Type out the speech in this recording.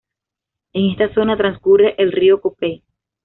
En esta zona transcurre el Río Copey.